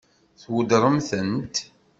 Tweddṛem-tent?